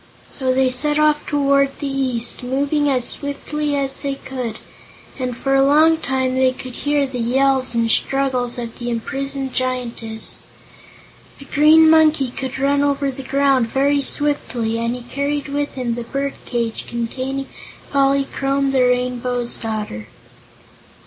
So they set off toward the east, moving as swiftly as they could, and for a long time they could hear the yells and struggles of the imprisoned Giantess. The Green Monkey could run over the ground very swiftly, and he carried with him the bird cage containing Polychrome the Rain bow's Daughter.